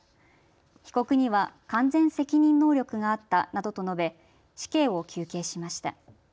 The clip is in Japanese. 被告には完全責任能力があったなどと述べ、死刑を求刑しました。